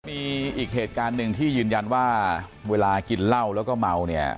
มีอีกเหตุการณ์หนึ่งที่ยืนยันว่าเวลากินเหล้าแล้วก็เมาเนี่ย